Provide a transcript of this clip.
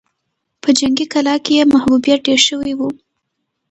په جنګي کلا کې يې محبوبيت ډېر شوی و.